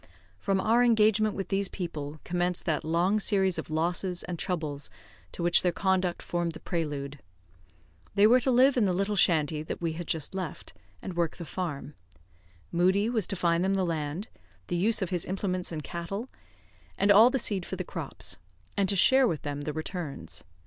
From our engagement with these people commenced that long series of losses and troubles to which their conduct formed the prelude. They were to live in the little shanty that we had just left, and work the farm. Moodie was to find them the land, the use of his implements and cattle, and all the seed for the crops; and to share with them the returns.